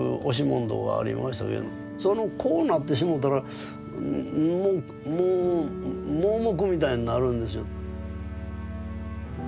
そのこうなってしもうたらもう盲目みたいになるんです。